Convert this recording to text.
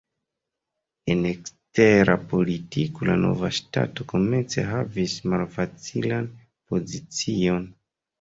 En ekstera politiko la nova ŝtato komence havis malfacilan pozicion.